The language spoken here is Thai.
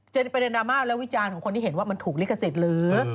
ประเด็นดราม่าและวิจารณ์ของคนที่เห็นว่ามันถูกลิขสิทธิ์หรือ